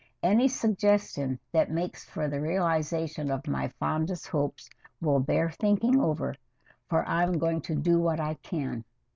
Any suggestion that makes for the realization of my fondest hopes will bear thinking over, and I am going to do what I can.